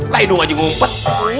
laidung aja ngumpet